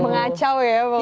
mengacau ya pokoknya